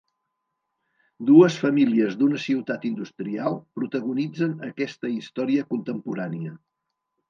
Dues famílies d'una ciutat industrial protagonitzen aquesta història contemporània.